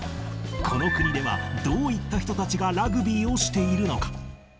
この国ではどういった人たちがラグビーをしているのか。